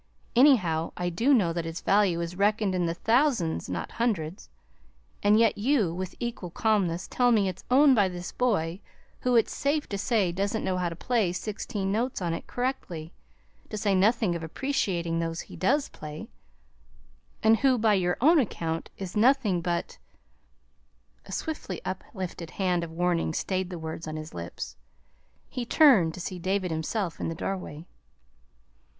Anyhow, I do know that its value is reckoned in the thousands, not hundreds: and yet you, with equal calmness, tell me it's owned by this boy who, it's safe to say, doesn't know how to play sixteen notes on it correctly, to say nothing of appreciating those he does play; and who, by your own account, is nothing but " A swiftly uplifted hand of warning stayed the words on his lips. He turned to see David himself in the doorway.